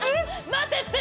待てって！